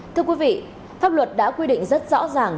thưa quý vị pháp luật đã quy định rất rõ ràng